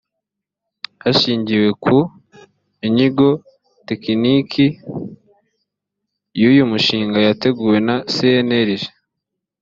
hashingiwe ko inyigo tekiniki y uyu mushinga yateguwe na cnlg